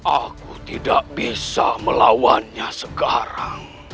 aku tidak bisa melawannya sekarang